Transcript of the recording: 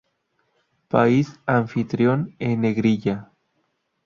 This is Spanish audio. País anfitrión en negrilla.